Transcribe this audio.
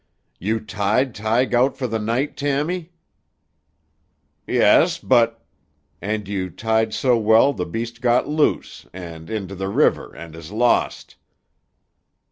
"You tied Tige out for tuh night, Tammy?" "Yes, but——" "And you tied so well tuh beast got loose, and into tuh river and is lost."